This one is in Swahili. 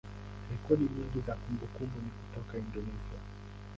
rekodi nyingi za kumbukumbu ni kutoka Indonesia.